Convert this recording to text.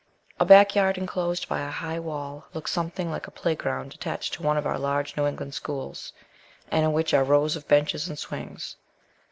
A back yard inclosed by a high wall looks something like the playground attached to one of our large New England schools, and in which are rows of benches and swings.